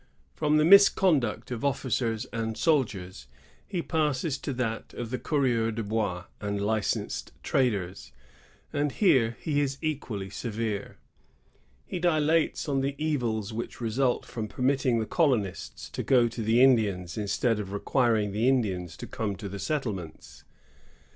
i From the misconduct of officers and soldiers, the father passes to that of the coureurs de hois and licensed traders ; and here he is equally severe. He dilates on the evils which result from permitting the colonists to go to the Indians instead of requiring the Indians to come to the settlements.